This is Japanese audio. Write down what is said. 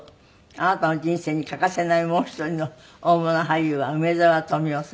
あなたの人生に欠かせないもう一人の大物俳優は梅沢富美男さん。